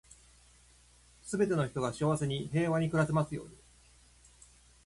全ての人が幸せに、平和に暮らせますように。